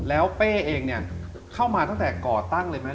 แล้วเป้เองเนี่ยเข้ามาตั้งแต่ก่อตั้งเลยไหม